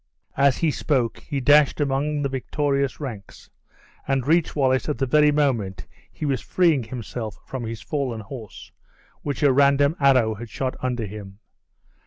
As he spoke, he dashed amongst the victorious ranks, and reached Wallace at the very moment he was freeing himself from his fallen horse, which a random arrow had shot under him.